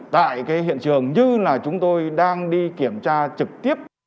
tại hiện trường như chúng tôi đang đi kiểm tra trực tiếp